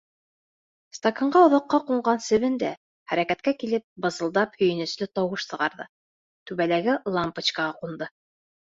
Стаканға оҙаҡҡа ҡунған себен дә, хәрәкәткә килеп, бызылдап һөйөнөслө тауыш сығарҙы, түбәләге лампочкаға ҡунды.